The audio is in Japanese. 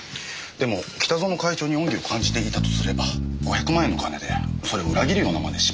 でも北薗会長に恩義を感じていたとすれば５００万円の金でそれを裏切るような真似しますかね？